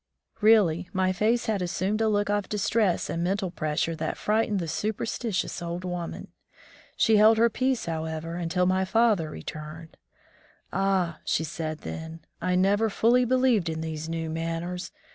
Really, my face had assumed a look of distress and mental pressure that frightened the superstitious old woman. She held her peace, however, until my father returned. "Ah," she said then, "I never fully believed in these new manners